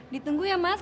ditunggu ya mas